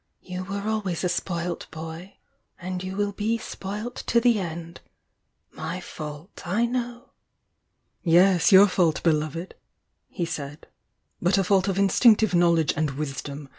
—you were always a spoilt boy and you will be spoilt to the end! My fault, I know! "Yes, your fault, beloved!" he said— "But a fault of instinctive knowledge and wisdom!